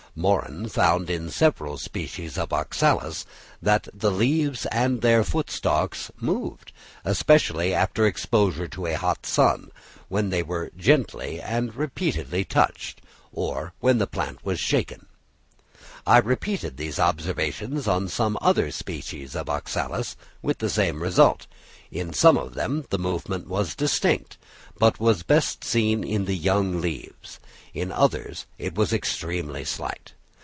Morren found in several species of Oxalis that the leaves and their foot stalks moved, especially after exposure to a hot sun, when they were gently and repeatedly touched, or when the plant was shaken. I repeated these observations on some other species of Oxalis with the same result; in some of them the movement was distinct, but was best seen in the young leaves; in others it was extremely slight.